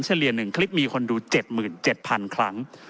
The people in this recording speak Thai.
เลี่ย๑คลิปมีคนดู๗๗๐๐ครั้ง